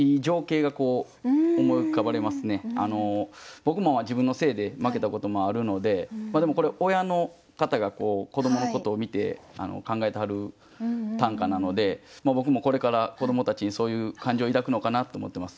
僕も自分のせいで負けたこともあるのででもこれ親の方が子どものことを見て考えてはる短歌なので僕もこれから子どもたちにそういう感情を抱くのかなと思ってます。